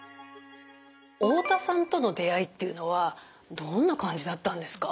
太田さんとの出会いっていうのはどんな感じだったんですか？